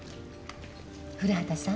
古畑さん。